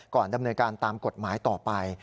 ดำเนินการตามกฎหมายต่อไป